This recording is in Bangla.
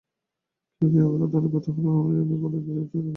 কেউ কেউ আবার অত্যন্ত কৌতুহলী হয়ে মনোযোগ দিয়ে দেয়ালটির জায়গাবিশেষ পরীক্ষা করছে।